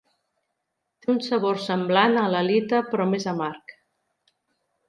Té un sabor semblant a l'halita però més amarg.